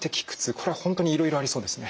これは本当にいろいろありそうですね。